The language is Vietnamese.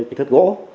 như cái thất gỗ